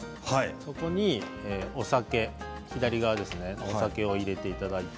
そこに、お酒入れていただいて。